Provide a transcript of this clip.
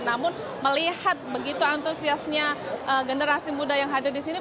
namun melihat begitu antusiasnya generasi muda yang hadir di sini